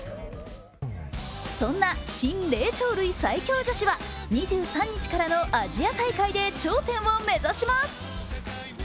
そんな新霊長類最強女子は２３日からのアジア大会で頂点を目指します。